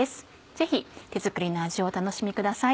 ぜひ手作りの味をお楽しみください。